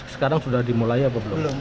sekarang sudah dimulai apa belum